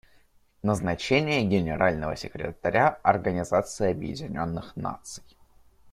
Назначение Генерального секретаря Организации Объединенных Наций.